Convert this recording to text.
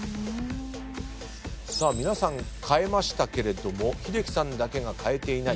皆さん変えましたけれども英樹さんだけが変えていない。